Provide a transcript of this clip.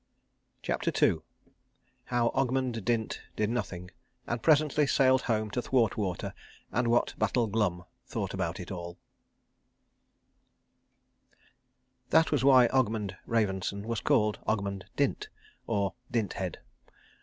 CHAPTER II HOW OGMUND DINT DID NOTHING, AND PRESENTLY SAILED HOME TO THWARTWATER; AND WHAT BATTLE GLUM THOUGHT ABOUT IT ALL That was why Ogmund Ravensson was called Ogmund Dint, or Dint head.